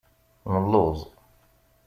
Nelluẓ.